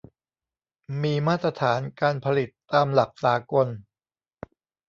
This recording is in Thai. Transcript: มีมาตรฐานการผลิตตามหลักสากล